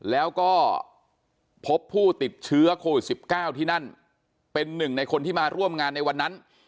แล้วก็พบผู้ติดเชื้อโควิด๑๙ที่นั่นเป็นหนึ่งในคนที่มาร่วมงานในวันนั้น